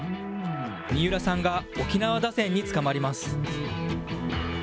三浦さんが沖縄打線につかまります。